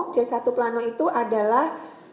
c satu plano itu adalah